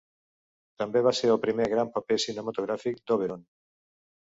També va ser el primer gran paper cinematogràfic d'Oberon.